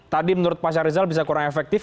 tadi menurut pak syarizal bisa kurang efektif